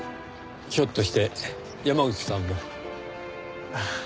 ひょっとして山口さんも？ああ。